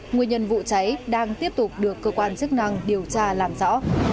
nguyên nhân vụ cháy đang tiếp tục được cơ quan chức năng điều tra làm rõ